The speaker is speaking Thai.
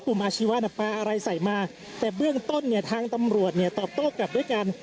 อาชีวะน่ะปลาอะไรใส่มาแต่เบื้องต้นเนี่ยทางตำรวจเนี่ยตอบโต้กลับด้วยกัน